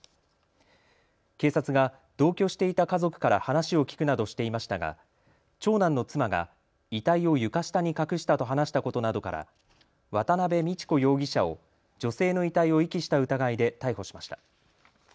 警察が同居していた家族から話を聴くなどしていましたが長男の妻が遺体を床下に隠したと話したことなどから渡邉美智子容疑者を女性の遺体を遺棄した疑いで逮捕しました。